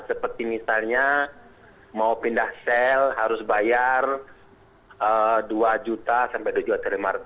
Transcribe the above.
seperti misalnya mau pindah sel harus bayar dua juta sampai dua juta